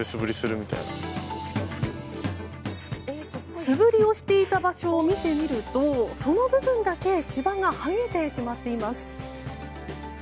素振りをしていた場所を見てみるとその部分だけ芝がはげてしまっています。